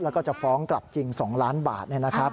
แล้วก็จะฟ้องกลับจริง๒ล้านบาท